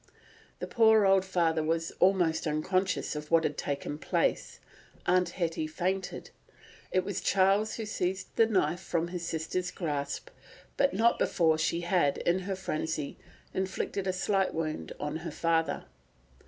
The poor old father was almost unconscious of what had taken place; Aunt Hetty fainted. It was Charles who seized the knife from his sister's grasp, but not before she had, in her frenzy, inflicted a slight wound on her father.